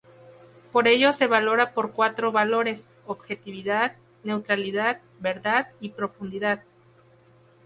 Por ello se valora por cuatro valores: objetividad, neutralidad, verdad y profundidad.